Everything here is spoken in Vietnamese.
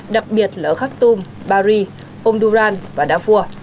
đặc biệt là khaktoum bari honduran và darfur